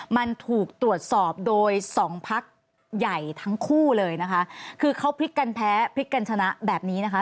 มันถูกตรวจสอบโดยสองพักใหญ่ทั้งคู่เลยนะคะคือเขาพลิกกันแพ้พลิกกันชนะแบบนี้นะคะ